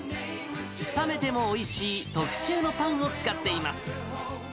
冷めてもおいしい、特注のパンを使っています。